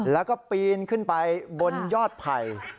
แล้วก็ปีนขึ้นไปบนยอดไผ่